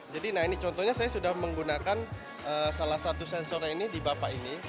jadi contohnya saya sudah menggunakan salah satu sensornya ini di bapak ini